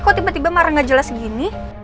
kok tiba tiba marah gak jelas gini